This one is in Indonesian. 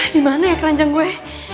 dimana ya keranjang gue